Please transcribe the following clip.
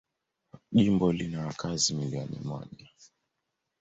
Jimbo lina wakazi milioni moja.